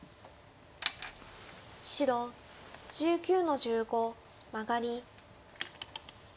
白１９の十五マガリ。